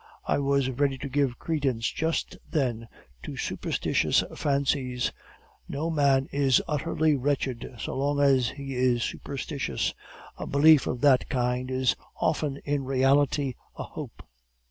I was ready to give credence just then to superstitious fancies; no man is utterly wretched so long as he is superstitious; a belief of that kind is often in reality a hope.